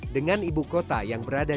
dengan ibu kota yang berada di riau